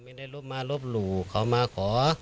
ขอไม่ได้ลบมาลบหลู่ขอมาขอ